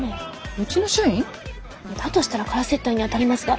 うちの社員？だとしたら空接待にあたりますが。